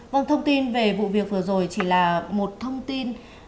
vâng thông tin về vụ việc vừa rồi chỉ là một thông tin